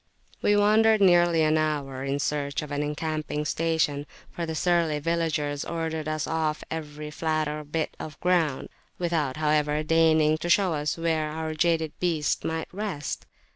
We wandered nearly an hour in search of an encamping station, for the surly villagers ordered us off every flatter bit of ground, without, however, deigning to show us where our jaded beasts might rest.